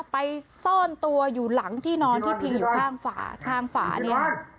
ไปซ่อนตัวอยู่หลังที่นอนที่พิงอยู่ข้างฝาทางฝานี้